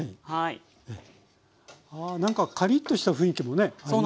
あ何かカリッとした雰囲気もねありますよね。